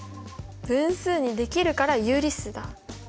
分数にできるから有理数だ。